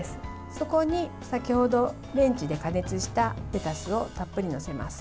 そこに先ほどレンジで加熱したレタスをたっぷり載せます。